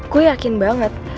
gue yakin banget